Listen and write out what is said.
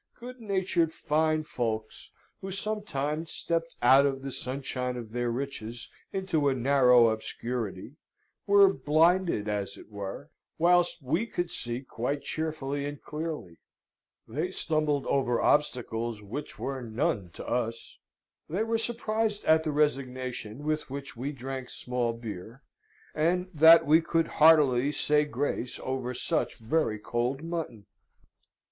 Good natured fine folks, who sometimes stepped out of the sunshine of their riches into a narrow obscurity, were blinded as it were, whilst we could see quite cheerfully and clearly: they stumbled over obstacles which were none to us: they were surprised at the resignation with which we drank small beer, and that we could heartily say grace over such very cold mutton.